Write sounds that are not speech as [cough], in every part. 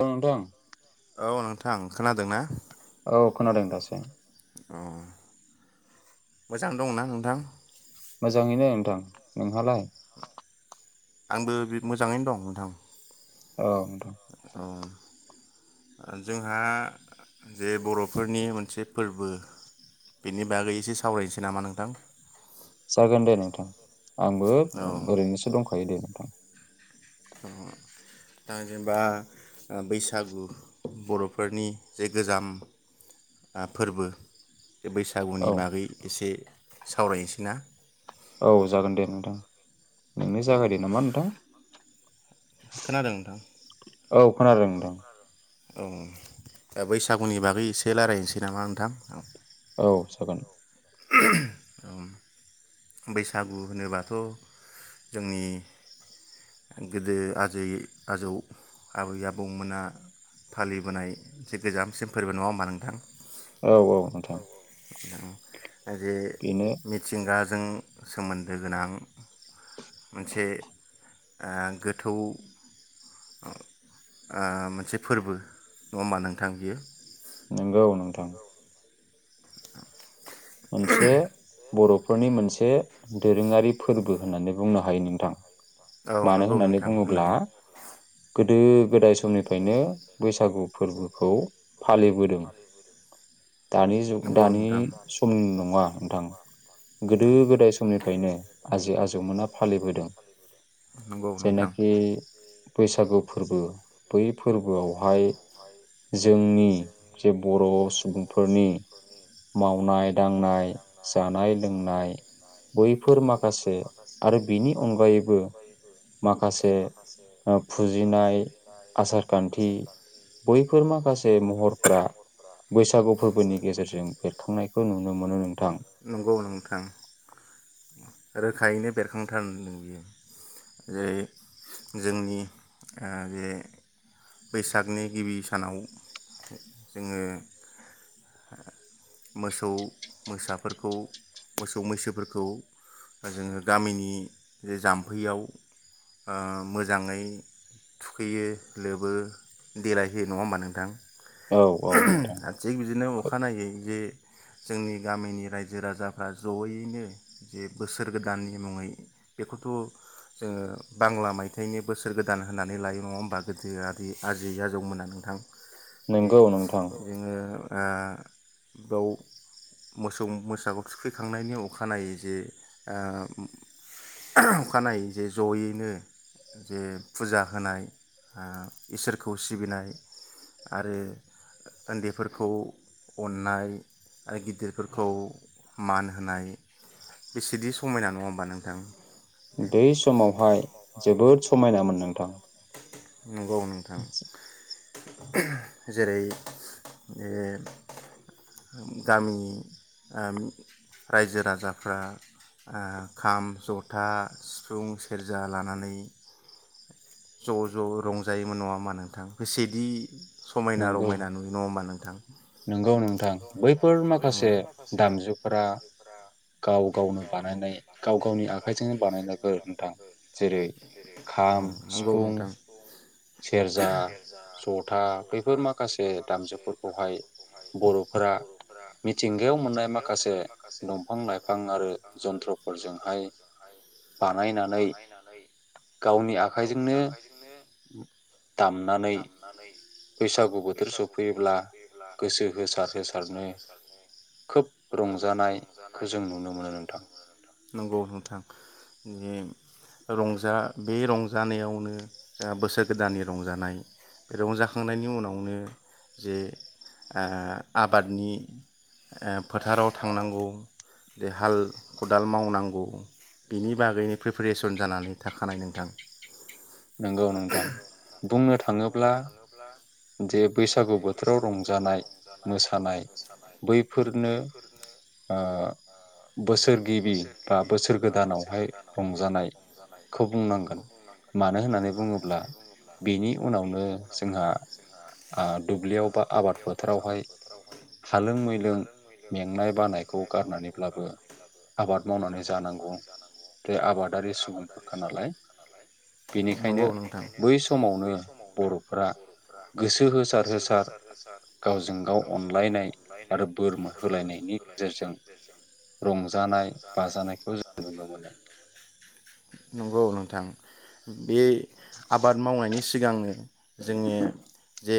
औ नोंथां औ नोंथां खोनादों ना? औ खोनादों दासो। अ मोजां दंना नोंथां आंबो बि मोजाङैनो दं नोंथां औ नोंथां जोंहा जे बर'फोरनि मोनसे फोरबो बेनि बागै एसे सावरायनोसै नामा नोंथां जागोन दे नोंथां आंबो ओरैनोसो दंखायो दे नोंथां। दा जेनेबा ओ बैसागु बरफोरनि जे गोजाम आ फोरबो बैसागुनि बागै एसे सावरायनोसै ना औ जागोन दे नोंथां नोंनो जागायदो नामा नोंथां औ खोनादों नोंथां औ दा बैसागुनि बागै एसे रायलायनोसै नामा नोंथां औ जागोन बैसागु होनोबाथ जोंनि गोदो आजै आजौ आबै आबौमोना फालिबोनाय मोनसे गोजामसिन फोरबो नङा होमबा नोंथां औ - औ नोंथां [inaudible] जे मिथिंगा जों सोमोन्दो गोनां मोनसे ओ गोथौ मोनसे फोरबो नङा होनबा नोंथां बियो नंगौ नोंथां मोनसे बरफोरनि मोनसे दोरोङारि फोरबो होननानै बुंनो हायो नोंथां मानो होननानै बुङोब्ला गोदो गोदाय समनिफ्रायनो बैसागु फोरबोखौ फालिबोदों दानि जुग दानि समनि नङा नोंथां गोदो गोदाय समनिफ्रायनो आजै आजौमोना फालिबोदों जायनाखि बैसागु फोरबो बै फोरबोयावहाय जोंनि जे बर सुबुंफोरनि माव मावनाय दांनाय जानाय लोंनाय बैफोर माखासे आरो बिनि अनगायैबो माखासे ओ फुजिनाय आसार खान्थि बैफोर माखासे महरफोरा बैसागु फोरबोनि गेजेरजों बो खुंनायखौ नुनो मोनो नोंथां [inaudible] रोखायैनो बेरखांथांदों बियो जे जोंनि आ बे बैसागनि गिबि सानाव जोङो मोसौ मोसाफोरखौ मोसौ मैसोफोरखौ जोङो गामिनि जे जाम्फ फैयाव ओ मोजाङै थुखैयो लोबो देलायहोयो नङा होमबा नोंथां आर थिग बिदिनो अखानायनायै जे जोंनि गामिनि रायजो राजाफ्रा जयैनो जे बोसोर गोदाननि मुङै बेखौथ जोङो बांला मायथाइनि बोसोर गोदान होननानै लायो नङा होमबा गोथो आदै आजै आजौमोना नोंथां बे औ जोङो आ बाव मोसौ मोसाखौ थुखैखांनायनि अखानायै जे ओम खानायै जे जयैनो जे फुजा होनाय आ इसोरखौ सिबिनाय आरो ओन्दैफोरखौ अननाय आरो गिदिरफोरखौ मान होनाय बेसेदि समायना नङा होमबा नोंथां बै समावहाय जोबोद समायनामोन नोंथां नंगौ नोंथां जेरै बे गामिनि ओम रायजो राजाफ्रा आ खाम ज था सिफुं सेरजा लानानै। ज' ज' रंजायोमोन नङा होमबा नोंथां बेसेदि समायना रमायना नुयो नङा होमबा नोंथां? बैफोर माखासे दामजुफोरा गाव गावनो बानायनाय गाव गावनि आखाइजोंनो बानायनायफोर नोंथां जेरै खाम सिफुं सेरजा जथा बैफोर माखासे दामजुफोरखौहाय बर'फोरा फोरा मिथिंगायाव मोननाय माखासे दंफां लाइफां आरो जन्थ्र'फोर जोंहाय बानायनानै गावनि आखाइजोंनो दामनानै। बैसागु बोथोर सफैयोब्ला गोसो होसार होसारनो सारनो खोब रंजानायखो जों नुनो मोनो नोंथां। नंगौ नोंथां। रंजा बे रंजानायावनो जोंहा बोसोर गोदाननि रंजानाय बे रंजाखांनायनि उनावनो जे ओ आबादनि ओ फोथाराव थांनांगौ बे हाल खदाल मावनांगौ बिनि बागैनो प्रिपेरेसन जानानै थाखानाय नोंथां। नंगौ नोंथां। बुंनो थाङोब्ला जे बे बैसागु बोथोराव रंजानाय मोसानाय बैफोरनो ओ बोसोर गिबि बा बोसोर गोदानावहाय रंजानाय खौ बुंनांगोन। मानो होननानै बुङोब्ला बेनि उनावनो जोंहा ओ दुब्लि ओ दुब्लियावबा आबाद फोथारावहाय हालों मैलों मेंनाय बानायखौ गारनानैब्लाबो आबाद मावनानै जानांगौ बे आबादारि सुबुंफोरखा नालाय। बेनिखायनो बै समावनो बर'फोरा गोसो होसार होसा होसार होसार गावजों गाव अनलायनाय आरो बोर होलायनायनि गेजेरजों रंजानाय बाजानायखौ जों नुबोदों। नंगौ नों थां बे आबाद मावनायनि सिगांनो जोंनि जे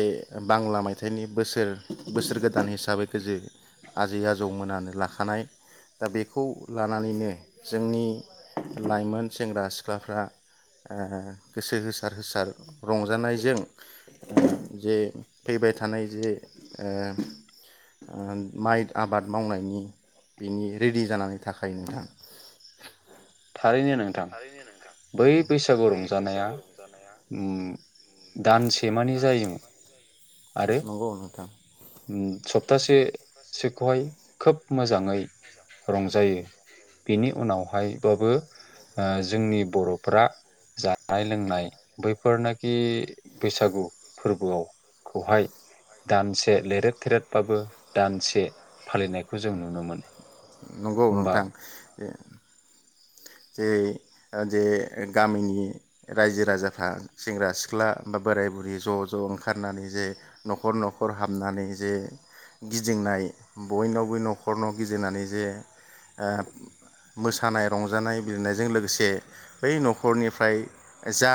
बांला मायथाइनि बोसोर बोसोर गोदान हिसाबै गोजो आजै आजौ मोनानो लाखानाय। दा बेखौ लानानैनो जोंनि लाइमोन सेंग्रा सिख्लाफ्रा ओ गोसो होसार होसार रंजानायजों ओ जे फैबाय थानाय जे ओ ओ माइ आबाद मावनायनि बिनि रेडि जानानै थाखायो‌ नोंथां। थारैनो नोंथां बै बैसागु रंजानाया उम दानसेमानि जायोमोन। आरो उम सब थासे [unintelligible] मोजाङै रंजायो बेनि उनावहायबाबो ओ जोंनि बर'फ्रा जानाय लोंनाय बैफोरनाखि बैसागु फोरबोआव खौहाय दानसे लेरेद थेरेदबाबो दानसे फालिनायखौ जों नुनो मोनो होमबा जे ओ जे गामिनि रायजो राजाफ्रा सेंग्रा सिख्ला बा बोराय बुरै ज ज ओंखारनानै जे नखर नखर हाबनानै जे गिदिंनाय बयनावबो नखरनाव गिदिंनानै जे ओ मोसानाय रंजानाय बिरनायजों लोगोसे बै नखरनिफ्राय जा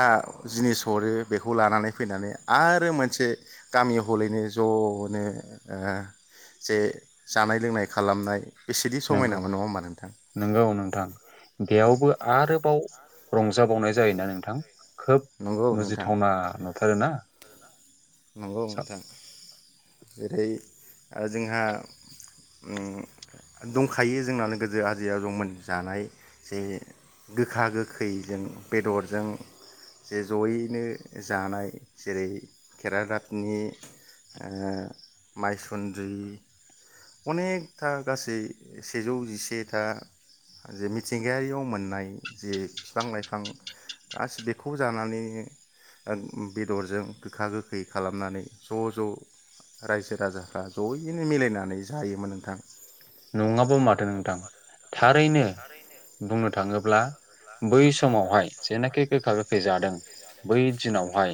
जिनिस हरो बेखौ लानानै फैनानै आरो मोनसे गामि हलैनो जनो ओ जे जानाय लोंनाय खालामनाय नंगौ नंगौ नोंथां। बेयावबो आरो बाव रंजाबावनाय जायोना नोंथां? खोब मुजिथावना नु आरो ना? नंगौ नोंथां। जेरै ओ जोंहा उम दंखायो जोंनानो गोदो आजै आजौ मोनि जानाय जे गोखा गोखैजों बेदरजों जे जयैनो जानाय जेरै केरादाफिनि ओ माइसुन्द्रि अनेकथा गासै सेजौ जिसेथा जे मिथिंगायारियाव मोननाय जे बिफां लाइफां गासै बेखौ जानानैनो ओ बेदरजों गोखा गोखै खालामनानै ज ज रायजो राजाफ्रा जयैनो मिलायनानै जायोमोन नोंथां। नङाबो माथो नोंथां। थारैनो बुंनो थाङो ब्ला बै समावहाय जेनाखि गोखा गोखै जादों बै दिनावहाय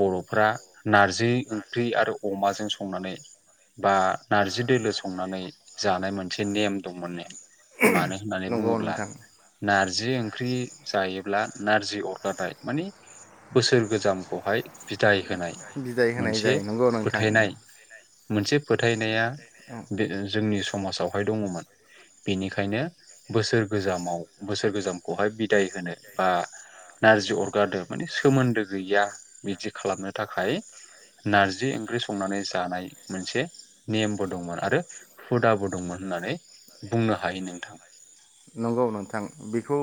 बरफ्रा नारजि ओंख्रि आरो अमाजों संनानै बा नारजि दोलो संनानै जानाय मोनसे नेम दंमोन नो मानो होननानै बुङोब्ला नारजि ओंख्रि जा जायोब्ला नारजि अरगारनाय माने बोसोर गोजामखौहाय बिदाय होनाय मोनसे फोथायनाय मोनसे फोथायनाया बे ओ जोंनि समाज आवहाय दङमोन बेनिखायनो बोसोर गोजामाव बोसोर गोजामखौहाय बिदाय होनो बा नारजि अरगादो माने सोमोन्दो गैया। बिदि खालामनो थाखाय नारजि ओंख्रि संनानै जानाय मोनसे नेमबो दंमोन आरो हुदाबो दंमोन होननानै बुंनो हायो नोंथां। नंगौ नोंथां बेखौ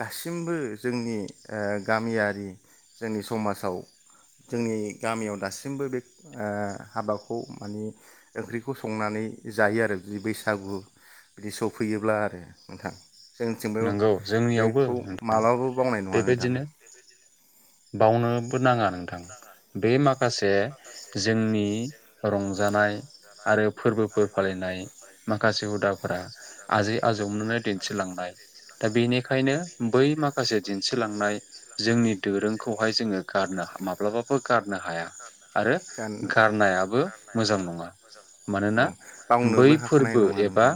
दासिमबो जोंनि ओ गामियारि जोंनि समाजाव जोंनि गामियाव दासिमबो बे ओ हाबाखौ मानि ओंख्रिखौ संनानै जायो आरो बिदि बैसागु बिदि सफैयोब्ला आरो। नोंथां। जोंनिथिंबो बेखौ मालाबाबो बावनाय नङा नोंथां। बावनोबो नाङा नों नोंथां बे माखासे जोंनि रंजानाय आरो फोरबोफोर फालिनाय माखासे हुद दाफोरा आजै आजौमोनो दिन्थिलांनाय। दा बेनिखायनो बै माखासे दिन्थिलांनाय जोंनि दोरोंखौहाय जोङो गारनो माब्लाबाबो गारनो हाया आरो गारनायाबो मोजां नङा मानोना बै फोरबो एबा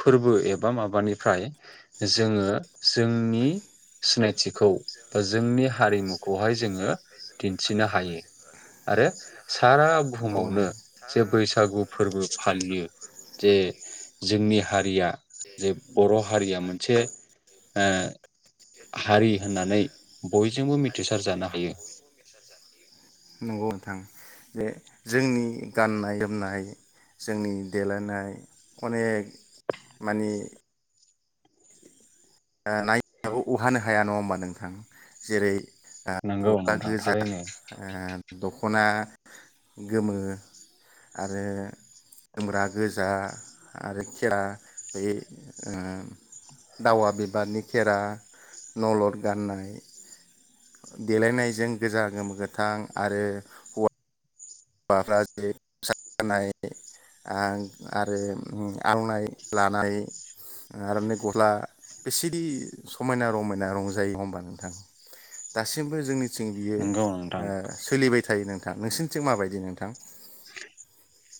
फोरबो एबा माबानिफ्राय जोङो जोंनि सिनाय थिखौ बा जोंनि हारिमुखौहाय जोङो दिन्थिनो हायो। आरो सारा बुहुमावनो जे बैसागु फोरबो फालियो जे नि हारिया जे बर हारिया मोन से ओ हारि होननानै बयजोंबो मिथिसार जानो हायो। नंगौ नोंथां जे जोंनि गाननाय जोमनाय जोंनि देलायनाय अनेक मानि ओ नायबाबो अहानो हाया नङा होमबा नोंथां जेरै ओ गस्ला गोजा ओ दख दखना गोमो आरो जोमग्रा गोजा आरो खेरा बे ओ दावा बे बिबारनि खेरा नलद गाननाय देलायनायजों गोजा गोमो गोथां आरो हौवा वाफ्रा जे गामसा गाननाय ओ आरो उम आलनाइ लानाय आरनाइ गस्ला बेसेदि समायना रमायना रंजायो हबा नोंथां दासिमबो जोंनि थिं बियो ओ सोलिबाय थायो नों दा नोंसिनथिं माबायदि दि नोंथां?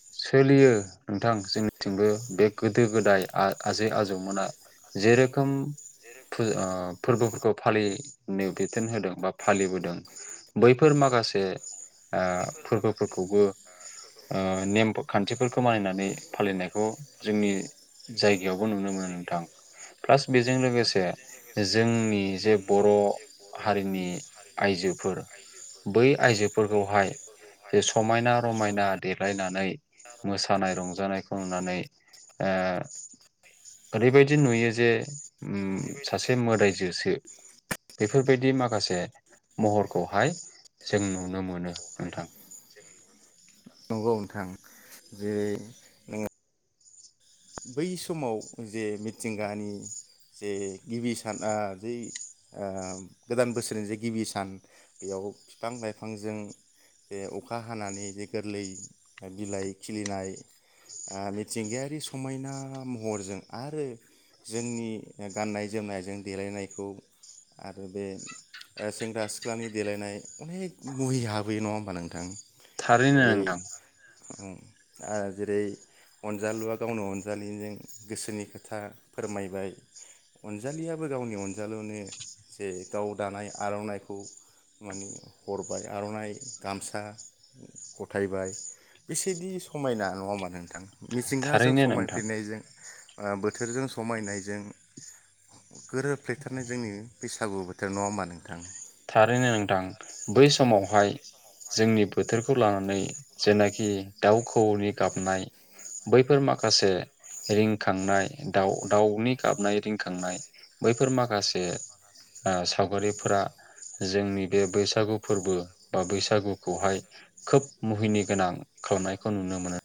सोलियो नोंथां जोंनिथिंबो बे गोदो-गोदाय आ-आजै आजौमोना जेरोखोम फोरबोफोरखौ फालिनो बिथोन होदों बा फालिबोदों बैफोर माखासे ओ फोरबोफोरखौबो आ नेम-खान्थिफोरखौ मानिनानै फालिनायखौ जोंनि जायगायावबो नुनो मोनो नोंथां प्लास बेजों लोगोसे जोंनि जे बर' हारिनि आइजोफोर बै आइजोफोरखौहाय जे समायना रमायना देलायनानै मोसानाय रंजानायखौ नुनानै ओ ओरैबायदि नुयो जे सासे मोदाय जोसो बेफोरबायदि माखासे महरखौहाय जों नुनो मोनो नोंथां। ओ नोंथां जे नोङो बै समाव जे मिथिंगानि जे गिबि सान आ जै ओ‌ गोदान बोसोरनि जे गिबि सान बेयाव बिफां लाइफांजों जे अखा हानानै जे गोरलै बिलाइ खिलिनाय ओ मिथिंगायारि सम समायना महरजों आरो जोंनि गाननाय-जोमनायजों देलायनायखौ आरो बे सेंग्रा सिख्लानि देलायनाय अनेक मुहि हाबोैयो नङा होमबा नोंथां। थारैनो नोंथां उम आरो जेरै अनजालुआ गावनो अनजालिजों गोसोनि खोथा फोरमायबाय अनजालियाबो गावनि अनजालियावनो जे गाव दानाय आर'नाइखौ माने हरबाय आर'नाइ गामसा गथायबाय बिसेदि समायना नङा होनबा नोंथां। मिथिंगाजों समायफ्लेनायजों आ बोथोरजों समायनायजों गोरोबफ्लेथारनाय जोंनि बैसागु बोथोर नङा होमबा नोंथां? थारैनो नोंथां बै समावहाय जोंनि बोथोरखौ लानानै जेनाखि दाउखौनि गाबनाय बैफोर माखासे रिंखांनाय दाउ दाउनि गाबनाय रिंखांनाय बैफोर माखासे सावगारिफोरा जोंनि बे बैसागु फोरबो बा बैसागुखौहाय खोब मुहिनि गोनां खालामनायखौ नुनो मोनो।